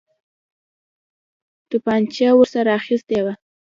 توپنچه ورسره اخیستې وه.